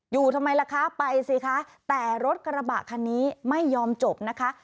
อยู่ทำไมล่ะคะไปสิคะแต่รถกระบะคันนี้ไม่ยอมจบนะคะ